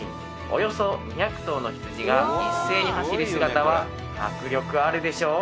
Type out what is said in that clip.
およそ２００頭のひつじが一斉に走る姿は迫力あるでしょう？